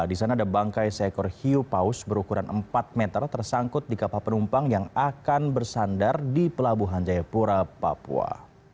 di sana ada bangkai seekor hiu paus berukuran empat meter tersangkut di kapal penumpang yang akan bersandar di pelabuhan jayapura papua